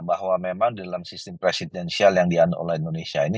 bahwa memang dalam sistem presidensial yang dianula indonesia ini